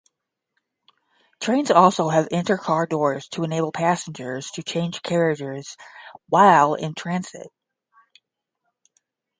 Trains also have inter-car doors to enable passengers to change carriages while in transit.